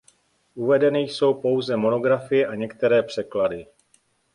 Uvedeny jsou pouze monografie a některé překlady.